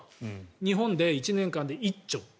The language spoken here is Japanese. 日本で１年間で１兆。